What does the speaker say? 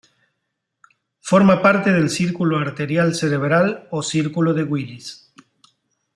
Forma parte del círculo arterial cerebral o "círculo de Willis".